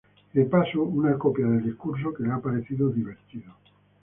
Y de paso una copia del discurso, que le ha parecido divertido.